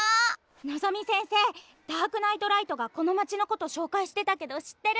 のぞみ先生「ダークナイトライト」がこの街のこと紹介してたけど知ってる？